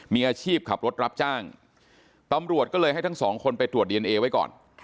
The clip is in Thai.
มีอาชีพขับรถรับจ้างตำรวจก็เลยให้ทั้งสองคนไปตรวจดีเอนเอไว้ก่อน